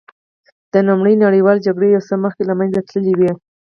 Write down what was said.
دا د لومړۍ نړیوالې جګړې یو څه مخکې له منځه تللې وې